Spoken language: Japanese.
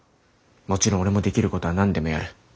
もちろん俺もできることは何でもやる。